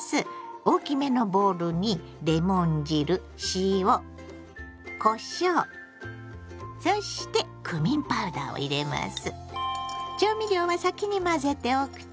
大きめのボウルにレモン汁塩こしょうそしてクミンパウダーを入れます。